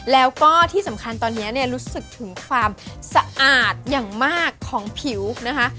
แล้วก็ที่สำคัญตอนนี้เนี่ยรู้สึกถึงความสะอาดอย่างมากของผิวนะคะ